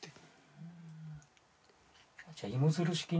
じゃあ芋づる式に。